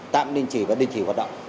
tạm định chỉ và định chỉ hoạt động